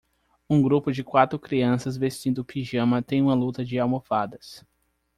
Um grupo de quatro crianças vestindo pijama tem uma luta de almofadas.